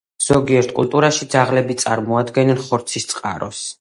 ზოგიერთ კულტურაში ძაღლები წარმოადგენენ ხორცის წყაროს.